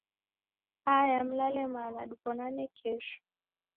Haya mlale mana. Diw'onane kesho.